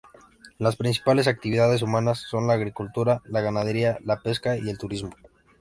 Las principales actividades humanas son la agricultura, la ganadería, la pesca y el turismo.